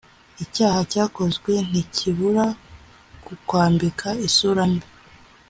icyaha cyakozwe ntikibura kukwambika isura mbi